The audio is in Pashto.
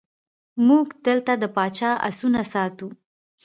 موږ دلته د پاچا آسونه ساتو.